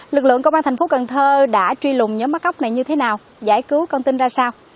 lực lượng công an thành phố cần thơ đã truy lùng nhóm bắt cóc này như thế nào giải cứu con tin ra sao